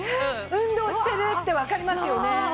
運動してるってわかりますよね。